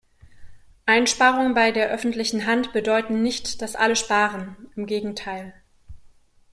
Einsparungen bei der öffentlichen Hand bedeuten nicht, dass alle sparen im Gegenteil.